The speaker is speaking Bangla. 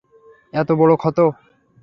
এতো বড় ক্ষত!